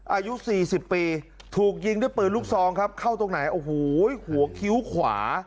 อายุสี่สิบปีถูกยิงด้วยปืนลูกซองครับเข้าตรงไหนโอ้โหหัวคิ้วขวา